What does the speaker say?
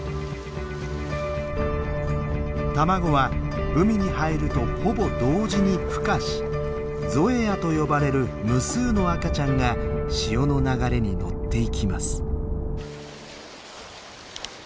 卵は海に入るとほぼ同時にふ化しゾエアと呼ばれる無数の赤ちゃんが潮の流れに乗っていきます。